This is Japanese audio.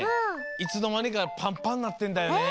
いつのまにかパンパンなってんだよね。